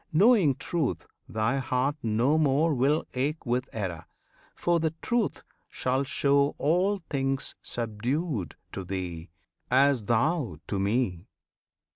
Knowing Truth, thy heart no more Will ache with error, for the Truth shall show All things subdued to thee, as thou to Me.